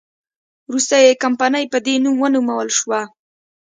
وروسته یې کمپنۍ په دې نوم ونومول شوه.